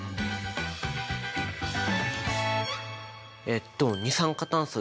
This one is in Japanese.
えっと二酸化炭素